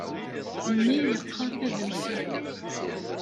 Mmi yeqqar tadamsa.